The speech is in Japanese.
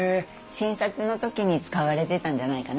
診察の時に使われてたんじゃないかなと思います。